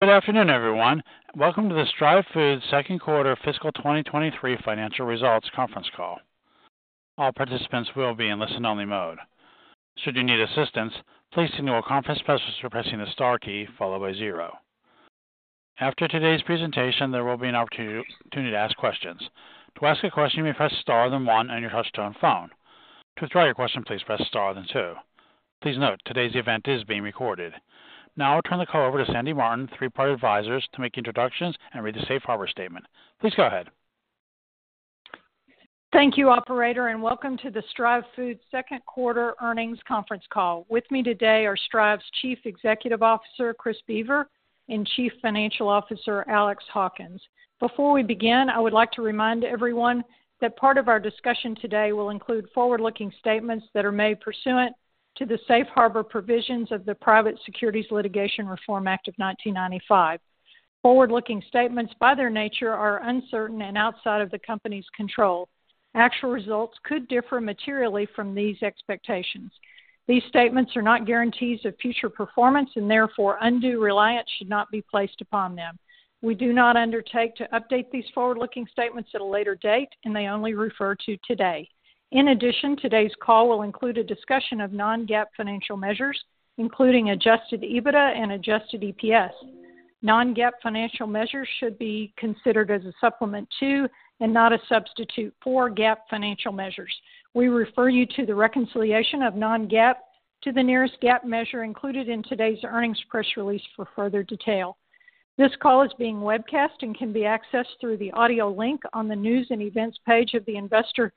Good afternoon, everyone. Welcome to the Stryve Foods Second Quarter Fiscal 2023 Financial Results conference call. All participants will be in listen-only mode. Should you need assistance, please signal a conference specialist by pressing the star key, followed by zero. After today's presentation, there will be an opportunity to ask questions. To ask a question, you may press star, then one on your touchtone phone. To withdraw your question, please press star, then two. Please note, today's event is being recorded. I'll turn the call over to Sandy Martin, Three Part Advisors, to make introductions and read the Safe Harbor statement. Please go ahead. Thank you, operator. Welcome to the Stryve Foods second quarter earnings conference call. With me today are Stryve's Chief Executive Officer, Chris Boever, and Chief Financial Officer, Alex Hawkins. Before we begin, I would like to remind everyone that part of our discussion today will include forward-looking statements that are made pursuant to the Safe Harbor provisions of the Private Securities Litigation Reform Act of 1995. Forward-looking statements, by their nature, are uncertain and outside of the company's control. Actual results could differ materially from these expectations. These statements are not guarantees of future performance, and therefore undue reliance should not be placed upon them. We do not undertake to update these forward-looking statements at a later date, and they only refer to today. In addition, today's call will include a discussion of non-GAAP financial measures, including Adjusted EBITDA and Adjusted EPS. Non-GAAP financial measures should be considered as a supplement to, and not a substitute for, GAAP financial measures. We refer you to the reconciliation of non-GAAP to the nearest GAAP measure included in today's earnings press release for further detail. This call is being webcast and can be accessed through the audio link on the News and Events page of the investor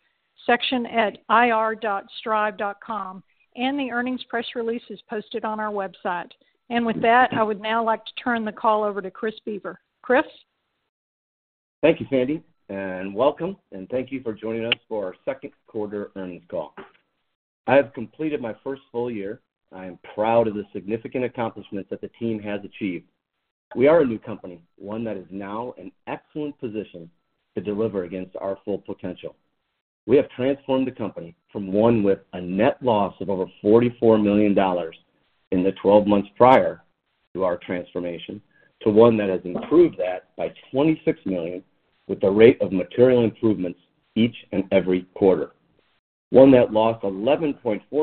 section at ir.stryve.com, and the earnings press release is posted on our website. With that, I would now like to turn the call over to Chris Boever. Chris? Thank you, Sandy, welcome, and thank you for joining us for our second quarter earnings call. I have completed my first full year. I am proud of the significant accomplishments that the team has achieved. We are a new company, one that is now in excellent position to deliver against our full potential. We have transformed the company from one with a net loss of over $44 million in the 12 months prior to our transformation, to one that has improved that by $26 million, with a rate of material improvements each and every quarter. One that lost $11.4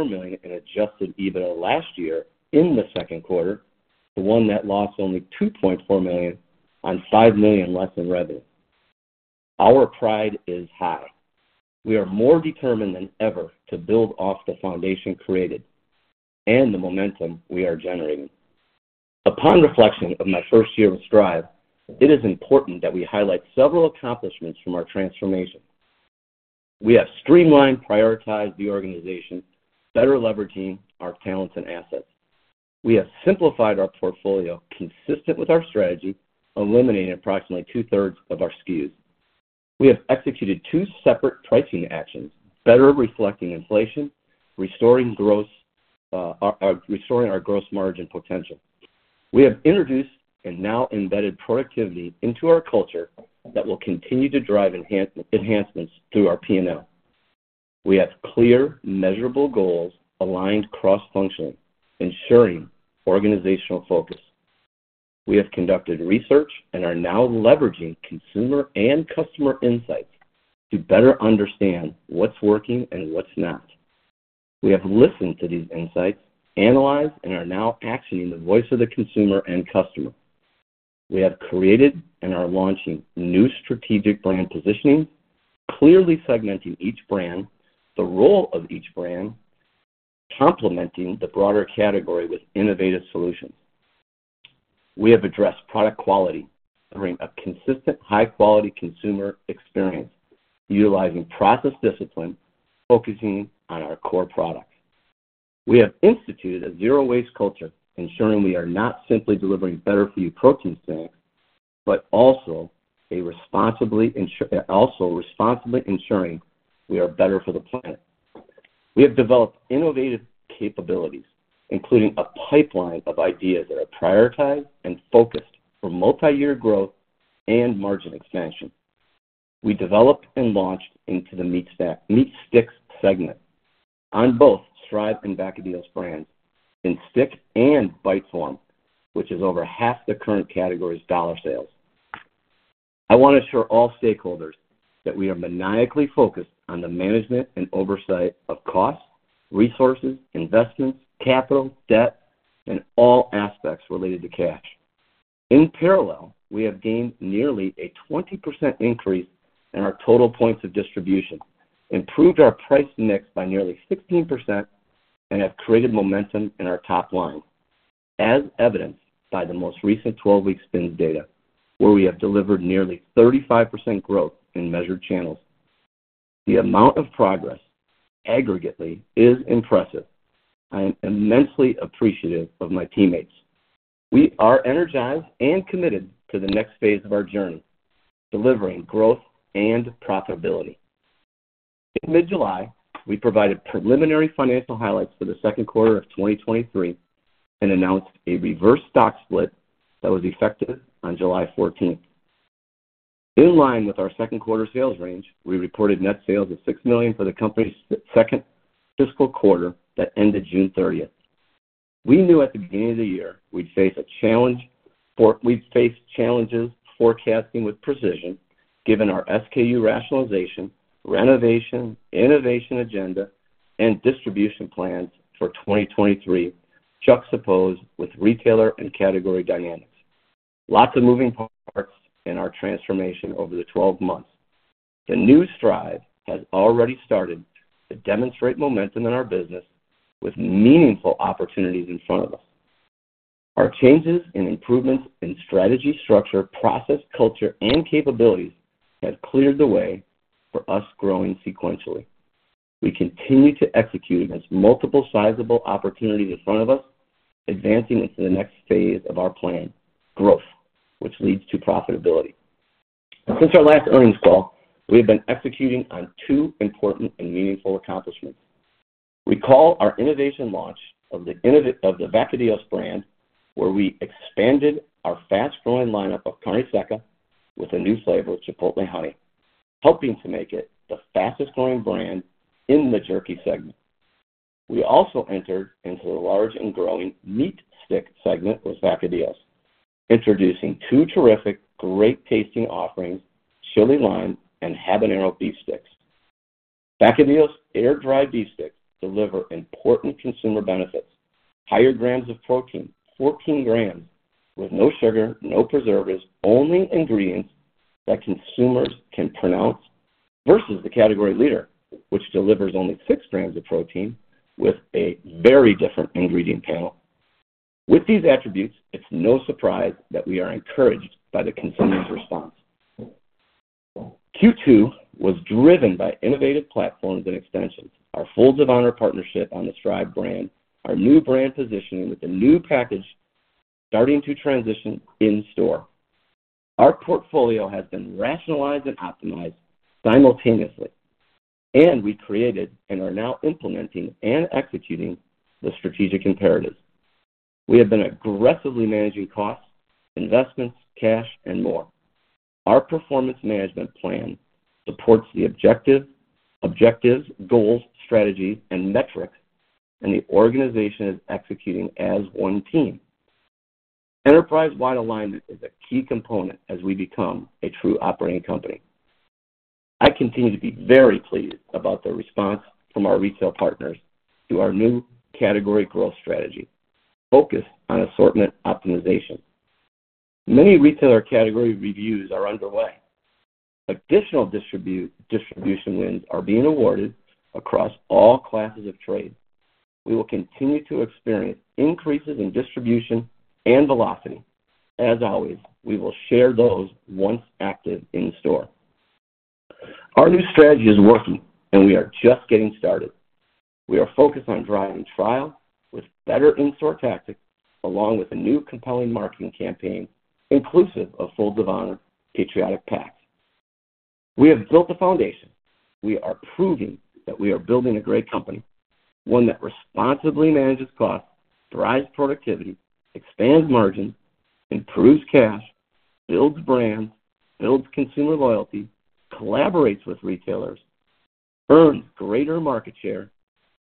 million in Adjusted EBITDA last year in the second quarter, to one that lost only $2.4 million on $5 million less in revenue. Our pride is high. We are more determined than ever to build off the foundation created and the momentum we are generating. Upon reflection of my first year with Stryve, it is important that we highlight several accomplishments from our transformation. We have streamlined, prioritized the organization, better leveraging our talents and assets. We have simplified our portfolio consistent with our strategy, eliminating approximately two-thirds of our SKUs. We have executed two separate pricing actions, better reflecting inflation, restoring growth, restoring our gross margin potential. We have introduced and now embedded productivity into our culture that will continue to drive enhancements through our P&L. We have clear, measurable goals aligned cross-functionally, ensuring organizational focus. We have conducted research and are now leveraging consumer and customer insights to better understand what's working and what's not. We have listened to these insights, analyzed, and are now actioning the voice of the consumer and customer. We have created and are launching new strategic brand positioning, clearly segmenting each brand, the role of each brand, complementing the broader category with innovative solutions. We have addressed product quality, bringing a consistent high-quality consumer experience, utilizing process discipline, focusing on our core products. We have instituted a zero-waste culture, ensuring we are not simply delivering better for you protein snacks, but also responsibly ensuring we are better for the planet. We have developed innovative capabilities, including a pipeline of ideas that are prioritized and focused for multi-year growth and margin expansion. We developed and launched into the meat sticks segment on both Stryve and Vacadillos brands in stick and bite form, which is over half the current category's dollar sales. I want to assure all stakeholders that we are maniacally focused on the management and oversight of costs, resources, investments, capital, debt, and all aspects related to cash. In parallel, we have gained nearly a 20% increase in our total points of distribution, improved our price mix by nearly 16%, and have created momentum in our top line, as evidenced by the most recent 12-week SPINS data, where we have delivered nearly 35% growth in measured channels. The amount of progress aggregately is impressive. I am immensely appreciative of my teammates. We are energized and committed to the next phase of our journey, delivering growth and profitability. In mid-July, we provided preliminary financial highlights for the second quarter of 2023 and announced a reverse stock split that was effective on July 14th. In line with our second quarter sales range, we reported net sales of $6 million for the company's second fiscal quarter that ended June 30th. We knew at the beginning of the year we'd face challenges forecasting with precision, given our SKU rationalization, renovation, innovation agenda, and distribution plans for 2023, juxtaposed with retailer and category dynamics. Lots of moving parts in our transformation over the 12 months. The new Stryve has already started to demonstrate momentum in our business with meaningful opportunities in front of us. Our changes and improvements in strategy, structure, process, culture, and capabilities have cleared the way for us growing sequentially. We continue to execute against multiple sizable opportunities in front of us, advancing into the next phase of our plan, growth, which leads to profitability. Since our last earnings call, we have been executing on two important and meaningful accomplishments. We call our innovation launch of the Vacadillos brand, where we expanded our fast-growing lineup of Carne Seca with a new flavor, Chipotle Honey, helping to make it the fastest-growing brand in the jerky segment. We also entered into a large and growing meat stick segment with Vacadillos, introducing two terrific, great-tasting offerings, Chili Lime and Habanero Beef Sticks. Vacadillos air-dried beef sticks deliver important consumer benefits, higher grams of protein, 14 grams, with no sugar, no preservatives, only ingredients that consumers can pronounce, versus the category leader, which delivers only 6 grams of protein with a very different ingredient panel. With these attributes, it's no surprise that we are encouraged by the consumer's response. Q2 was driven by innovative platforms and extensions. Our Folds of Honor partnership on the Stryve brand, our new brand positioning with the new package starting to transition in store. Our portfolio has been rationalized and optimized simultaneously, and we created and are now implementing and executing the strategic imperatives. We have been aggressively managing costs, investments, cash, and more. Our performance management plan supports the objectives, goals, strategy, and metrics, and the organization is executing as one team. Enterprise-wide alignment is a key component as we become a true operating company. I continue to be very pleased about the response from our retail partners to our new category growth strategy, focused on assortment optimization. Many retailer category reviews are underway. Additional distribution wins are being awarded across all classes of trade. We will continue to experience increases in distribution and velocity. As always, we will share those once active in store. Our new strategy is working, and we are just getting started. We are focused on driving trial with better in-store tactics, along with a new compelling marketing campaign, inclusive of Folds of Honor Patriotic Packs. We have built a foundation. We are proving that we are building a great company, one that responsibly manages costs, drives productivity, expands margins, improves cash, builds brands, builds consumer loyalty, collaborates with retailers, earns greater market share,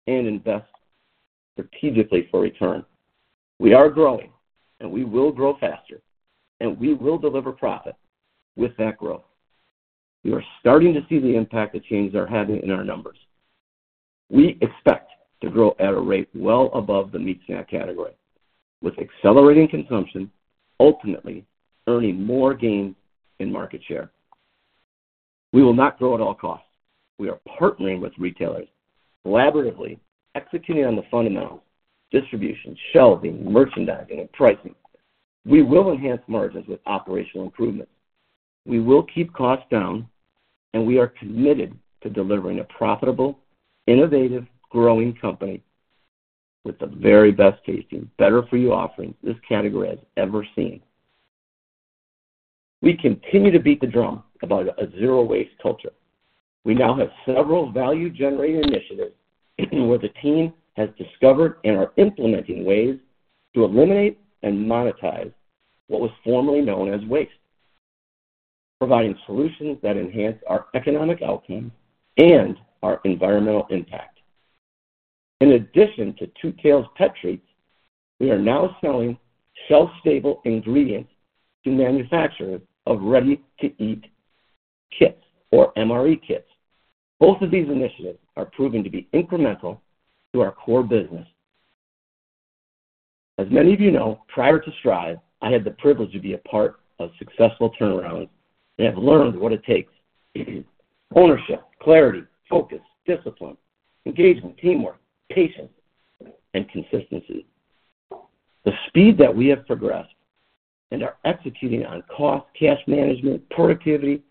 and invests strategically for return. We are growing, and we will grow faster, and we will deliver profit with that growth. We are starting to see the impact the changes are having in our numbers. We expect to grow at a rate well above the meat snack category, with accelerating consumption, ultimately earning more gains in market share. We will not grow at all costs. We are partnering with retailers, collaboratively executing on the fundamentals, distribution, shelving, merchandising, and pricing. We will enhance margins with operational improvements. We will keep costs down, and we are committed to delivering a profitable, innovative, growing company with the very best tasting, better for you offerings this category has ever seen. We continue to beat the drum about a zero-waste culture. We now have several value-generating initiatives where the team has discovered and are implementing ways to eliminate and monetize what was formerly known as waste, providing solutions that enhance our economic outcome and our environmental impact. In addition to Two Tails pet treats, we are now selling shelf-stable ingredients to manufacturers of ready-to-eat kits or MRE kits. Both of these initiatives are proven to be incremental to our core business. As many of you know, prior to Stryve, I had the privilege to be a part of successful turnarounds and have learned what it takes: ownership, clarity, focus, discipline, engagement, teamwork, patience, and consistency. The speed that we have progressed and are executing on cost, cash management, productivity,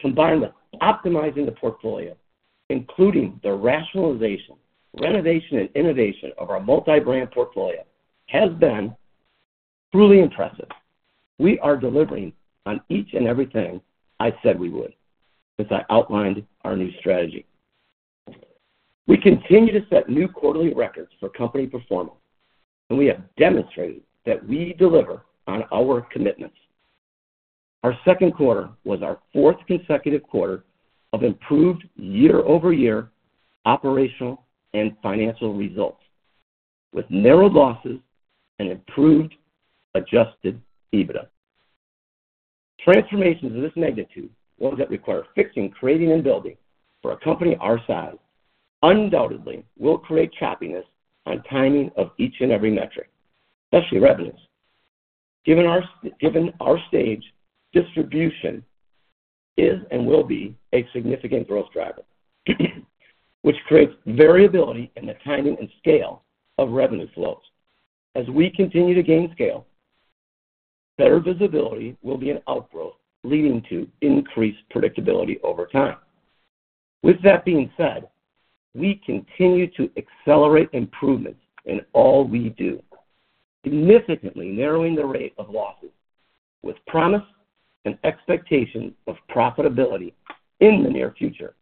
combined with optimizing the portfolio, including the rationalization, renovation, and innovation of our multi-brand portfolio, has been truly impressive. We are delivering on each and everything I said we would as I outlined our new strategy. We continue to set new quarterly records for company performance, and we have demonstrated that we deliver on our commitments. Our second quarter was our fourth consecutive quarter of improved year-over-year operational and financial results, with narrowed losses and improved Adjusted EBITDA. Transformations of this magnitude, ones that require fixing, creating, and building for a company our size, undoubtedly will create choppiness on timing of each and every metric, especially revenues. Given our stage, distribution is and will be a significant growth driver, which creates variability in the timing and scale of revenue flows. As we continue to gain scale, better visibility will be an outgrowth leading to increased predictability over time. With that being said, we continue to accelerate improvements in all we do, significantly narrowing the rate of losses with promise and expectation of profitability in the near future.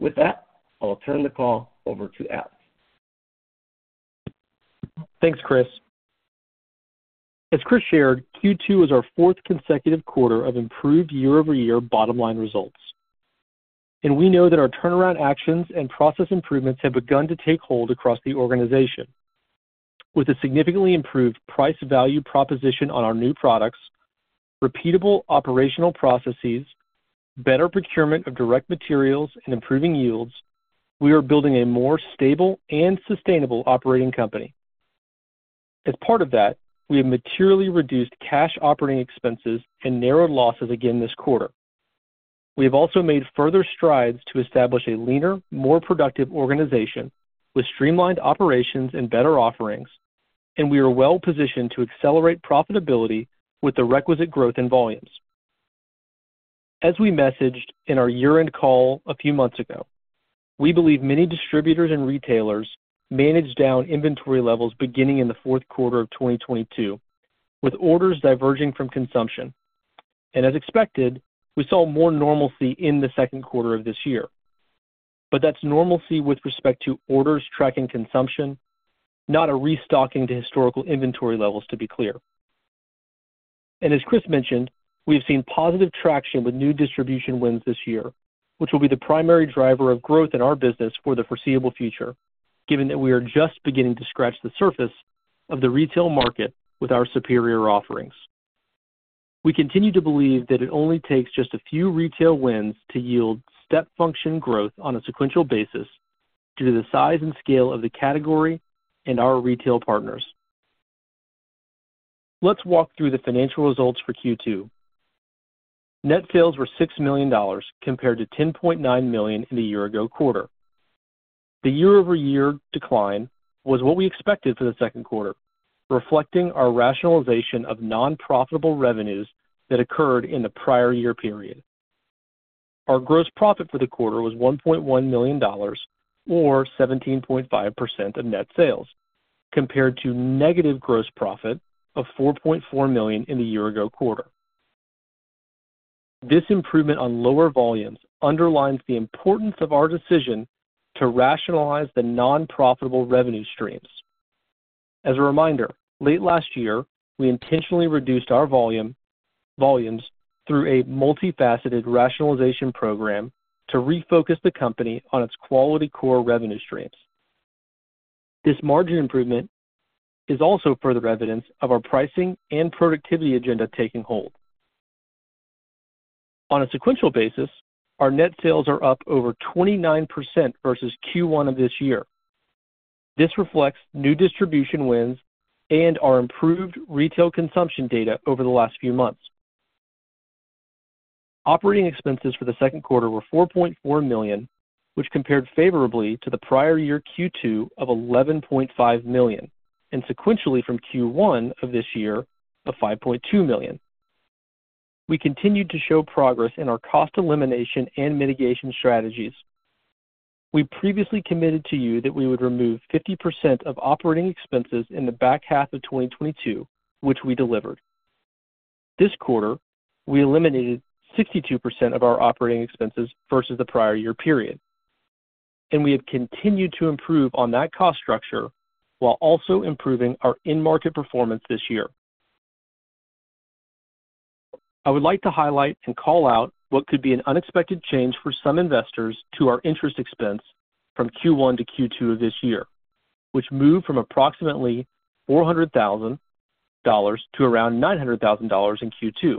With that, I'll turn the call over to Alex. Thanks, Chris. As Chris shared, Q2 is our fourth consecutive quarter of improved year-over-year bottom-line results. We know that our turnaround actions and process improvements have begun to take hold across the organization. With a significantly improved price value proposition on our new products, repeatable operational processes, better procurement of direct materials, and improving yields, we are building a more stable and sustainable operating company. As part of that, we have materially reduced cash operating expenses and narrowed losses again this quarter. We have also made further strides to establish a leaner, more productive organization with streamlined operations and better offerings, and we are well positioned to accelerate profitability with the requisite growth in volumes. As we messaged in our year-end call a few months ago, we believe many distributors and retailers managed down inventory levels beginning in the fourth quarter of 2022, with orders diverging from consumption. As expected, we saw more normalcy in the second quarter of this year. That's normalcy with respect to orders tracking consumption, not a restocking to historical inventory levels, to be clear. As Chris mentioned, we've seen positive traction with new distribution wins this year, which will be the primary driver of growth in our business for the foreseeable future, given that we are just beginning to scratch the surface of the retail market with our superior offerings. We continue to believe that it only takes just a few retail wins to yield step function growth on a sequential basis due to the size and scale of the category and our retail partners. Let's walk through the financial results for Q2. Net sales were $6 million compared to $10.9 million in the year-ago quarter. The year-over-year decline was what we expected for the second quarter, reflecting our rationalization of non-profitable revenues that occurred in the prior year period. Our gross profit for the quarter was $1.1 million or 17.5% of net sales, compared to negative gross profit of $4.4 million in the year-ago quarter. This improvement on lower volumes underlines the importance of our decision to rationalize the non-profitable revenue streams. As a reminder, late last year, we intentionally reduced our volume through a multifaceted rationalization program to refocus the company on its quality core revenue streams. This margin improvement is also further evidence of our pricing and productivity agenda taking hold. On a sequential basis, our net sales are up over 29% versus Q1 of this year. This reflects new distribution wins and our improved retail consumption data over the last few months. Operating expenses for the second quarter were $4.4 million, which compared favorably to the prior year Q2 of $11.5 million, and sequentially from Q1 of this year of $5.2 million. We continued to show progress in our cost elimination and mitigation strategies. We previously committed to you that we would remove 50% of operating expenses in the back half of 2022, which we delivered. This quarter, we eliminated 62% of our operating expenses versus the prior year period, and we have continued to improve on that cost structure while also improving our in-market performance this year. I would like to highlight and call out what could be an unexpected change for some investors to our interest expense from Q1 to Q2 of this year, which moved from approximately $400,000 to around $900,000 in Q2.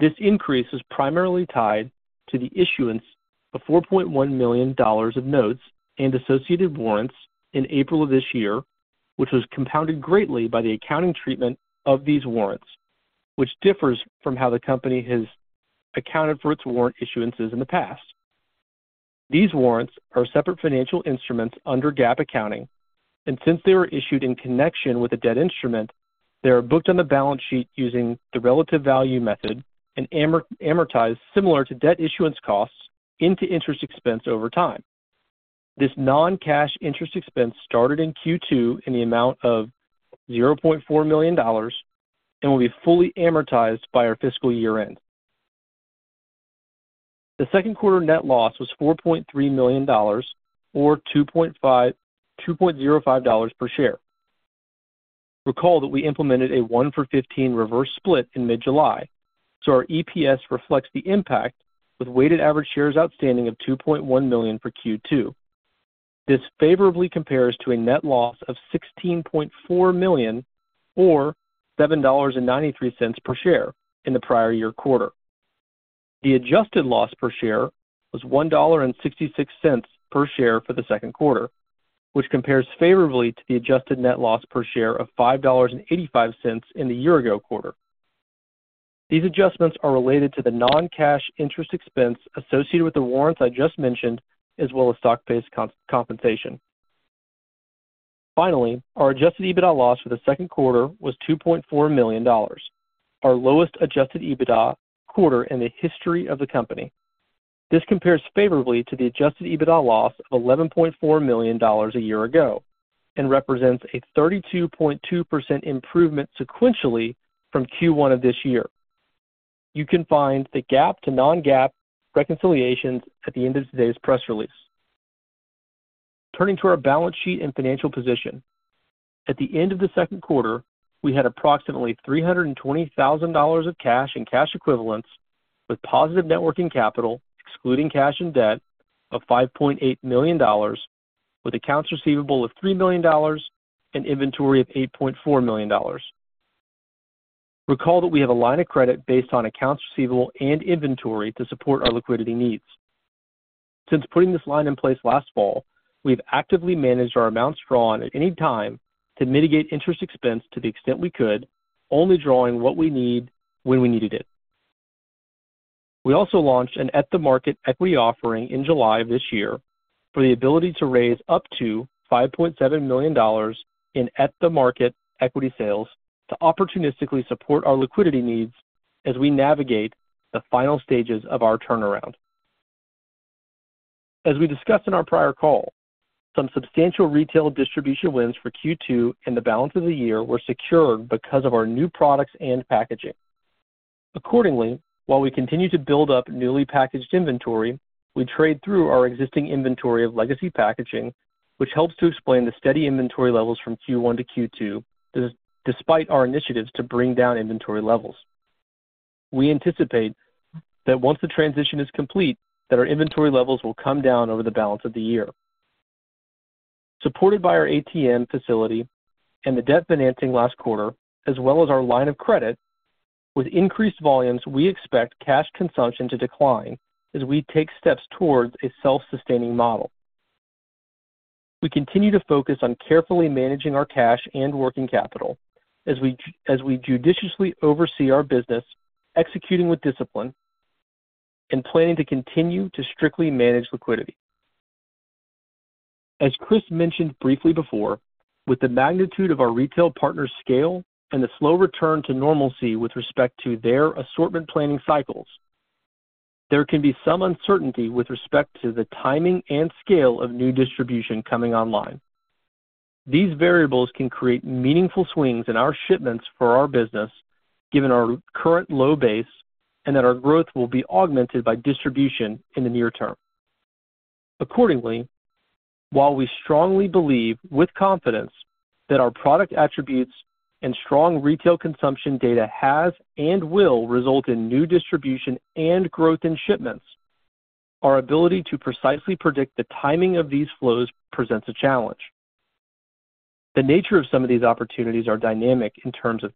This increase is primarily tied to the issuance of $4.1 million of notes and associated warrants in April of this year, which was compounded greatly by the accounting treatment of these warrants, which differs from how the company has accounted for its warrant issuances in the past. These warrants are separate financial instruments under GAAP accounting, and since they were issued in connection with a debt instrument, they are booked on the balance sheet using the relative value method and amortized similar to debt issuance costs, into interest expense over time. This non-cash interest expense started in Q2 in the amount of $0.4 million, and will be fully amortized by our fiscal year-end. The second quarter net loss was $4.3 million or $2.5, $2.05 per share. Recall that we implemented a 1 for 15 reverse stock split in mid-July, so our EPS reflects the impact with weighted average shares outstanding of 2.1 million for Q2. This favorably compares to a net loss of $16.4 million, or $7.93 per share in the prior year quarter. The adjusted loss per share was $1.66 per share for the second quarter, which compares favorably to the adjusted net loss per share of $5.85 in the year ago quarter. These adjustments are related to the non-cash interest expense associated with the warrants I just mentioned, as well as stock-based compensation. Our Adjusted EBITDA loss for the second quarter was $2.4 million, our lowest Adjusted EBITDA quarter in the history of the company. This compares favorably to the Adjusted EBITDA loss of $11.4 million a year ago and represents a 32.2% improvement sequentially from Q1 of this year. You can find the GAAP to non-GAAP reconciliations at the end of today's press release. Turning to our balance sheet and financial position. At the end of the second quarter, we had approximately $320,000 of cash and cash equivalents, with positive net working capital, excluding cash and debt of $5.8 million, with accounts receivable of $3 million and inventory of $8.4 million. Recall that we have a line of credit based on accounts receivable and inventory to support our liquidity needs. Since putting this line in place last fall, we've actively managed our amounts drawn at any time to mitigate interest expense to the extent we could, only drawing what we need when we needed it. We also launched an at-the-market equity offering in July of this year for the ability to raise up to $5.7 million in at-the-market equity sales to opportunistically support our liquidity needs as we navigate the final stages of our turnaround. We discussed in our prior call, some substantial retail distribution wins for Q2 and the balance of the year were secured because of our new products and packaging. While we continue to build up newly packaged inventory, we trade through our existing inventory of legacy packaging, which helps to explain the steady inventory levels from Q1 to Q2, despite our initiatives to bring down inventory levels. We anticipate that once the transition is complete, that our inventory levels will come down over the balance of the year. Supported by our ATM facility and the debt financing last quarter, as well as our line of credit with increased volumes, we expect cash consumption to decline as we take steps towards a self-sustaining model. We continue to focus on carefully managing our cash and working capital as we judiciously oversee our business, executing with discipline and planning to continue to strictly manage liquidity. As Chris mentioned briefly before, with the magnitude of our retail partners' scale and the slow return to normalcy with respect to their assortment planning cycles, there can be some uncertainty with respect to the timing and scale of new distribution coming online. These variables can create meaningful swings in our shipments for our business, given our current low base, and that our growth will be augmented by distribution in the near term. Accordingly, while we strongly believe with confidence that our product attributes and strong retail consumption data has and will result in new distribution and growth in shipments, our ability to precisely predict the timing of these flows presents a challenge. The nature of some of these opportunities are dynamic in terms of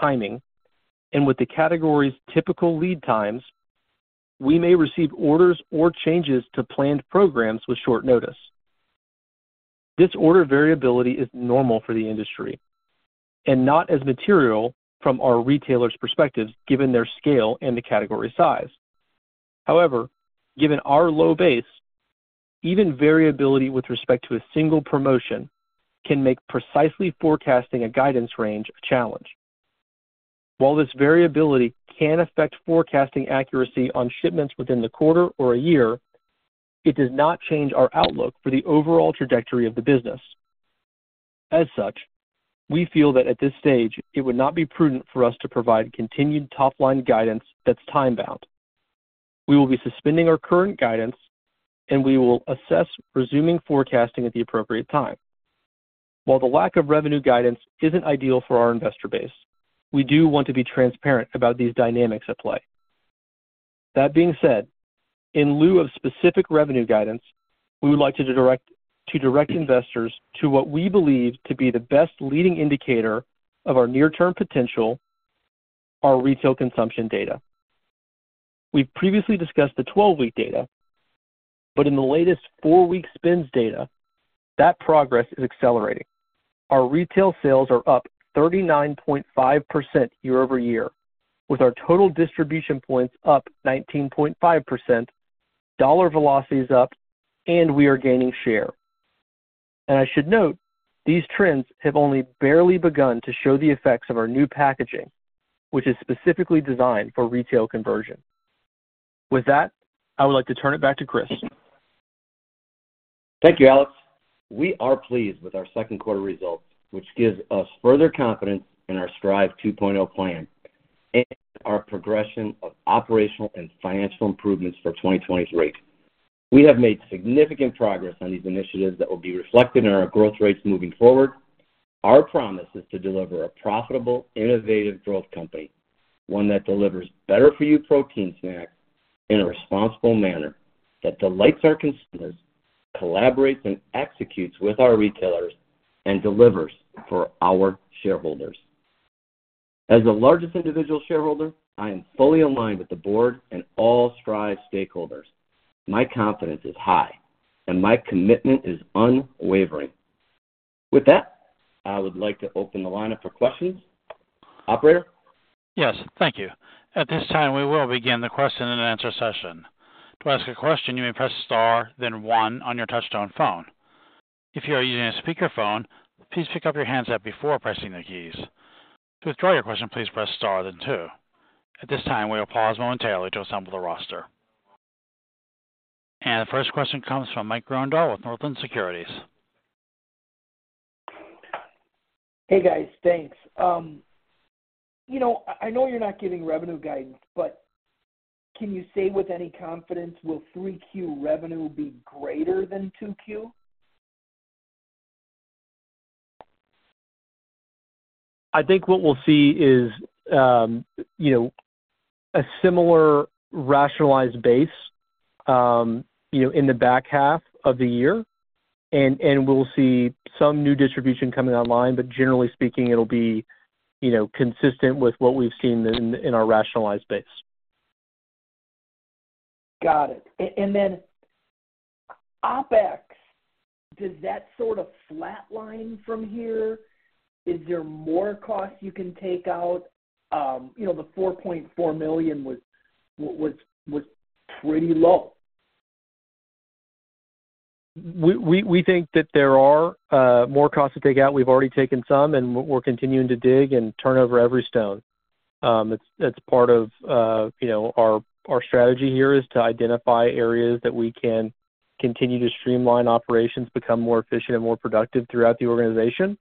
timing, and with the categories typical lead times, we may receive orders or changes to planned programs with short notice. This order variability is normal for the industry and not as material from our retailers' perspectives, given their scale and the category size. However, given our low base, even variability with respect to a single promotion can make precisely forecasting a guidance range a challenge. While this variability can affect forecasting accuracy on shipments within the quarter or a year, it does not change our outlook for the overall trajectory of the business. As such, we feel that at this stage, it would not be prudent for us to provide continued top-line guidance that's time-bound. We will be suspending our current guidance, and we will assess resuming forecasting at the appropriate time. While the lack of revenue guidance isn't ideal for our investor base, we do want to be transparent about these dynamics at play. That being said, in lieu of specific revenue guidance, we would like to direct investors to what we believe to be the best leading indicator of our near-term potential, our retail consumption data. We've previously discussed the 12-week data, in the latest four-week SPINS data, that progress is accelerating. Our retail sales are up 39.5% year-over-year, with our total distribution points up 19.5%, dollar velocity is up, we are gaining share. I should note, these trends have only barely begun to show the effects of our new packaging, which is specifically designed for retail conversion. With that, I would like to turn it back to Chris. Thank you, Alex. We are pleased with our second quarter results, which gives us further confidence in our Stryve 2.0 plan and our progression of operational and financial improvements for 2020's rate. We have made significant progress on these initiatives that will be reflected in our growth rates moving forward. Our promise is to deliver a profitable, innovative growth company, one that delivers better for you protein snacks in a responsible manner that delights our consumers, collaborates and executes with our retailers, and delivers for our shareholders. As the largest individual shareholder, I am fully aligned with the board and all Stryve stakeholders. My confidence is high, and my commitment is unwavering. With that, I would like to open the line up for questions. Operator? Yes, thank you. At this time, we will begin the question and answer session. To ask a question, you may press star, then one on your touchtone phone. If you are using a speakerphone, please pick up your handset before pressing the keys. To withdraw your question, please press star then two. At this time, we will pause momentarily to assemble the roster. The first question comes from Mike Grondahl with Northland Securities. Hey, guys, thanks. You know, I, I know you're not giving revenue guidance, but can you say with any confidence will 3Q revenue be greater than 2Q? I think what we'll see is, you know, a similar rationalized base, you know, in the back half of the year, and, and we'll see some new distribution coming online, but generally speaking, it'll be, you know, consistent with what we've seen in, in our rationalized base. Got it. OpEx, does that sort of flatline from here? Is there more costs you can take out? you know, the $4.4 million was, was, was pretty low. We, we, we think that there are more costs to take out. We've already taken some, and we're continuing to dig and turn over every stone. It's, it's part of, you know, our, our strategy here is to identify areas that we can continue to streamline operations, become more efficient and more productive throughout the organization.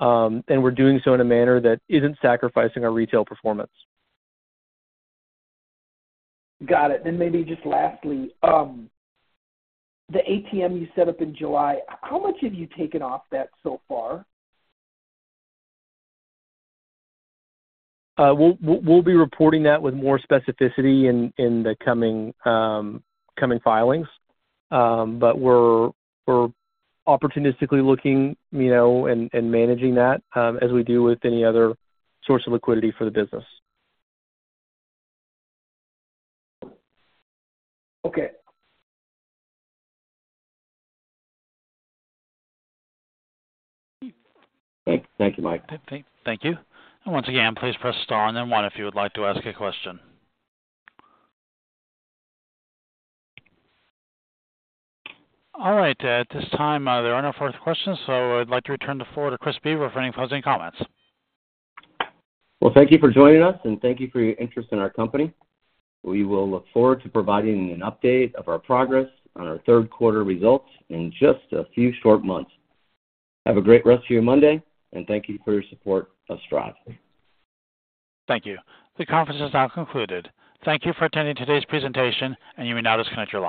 We're doing so in a manner that isn't sacrificing our retail performance. Got it. Maybe just lastly, the ATM you set up in July, how much have you taken off that so far? We'll, we'll, we'll be reporting that with more specificity in, in the coming, coming filings. We're, we're opportunistically looking, you know, and, and managing that, as we do with any other source of liquidity for the business. Okay. Thank you, Mike. Thank you. Once again, please press star and then one if you would like to ask a question. All right, at this time, there are no further questions. I'd like to return the floor to Chris Boever for any closing comments. Well, thank you for joining us, and thank you for your interest in our company. We will look forward to providing an update of our progress on our third quarter results in just a few short months. Have a great rest of your Monday, and thank you for your support of Stryve. Thank you. The conference is now concluded. Thank you for attending today's presentation, and you may now disconnect your lines.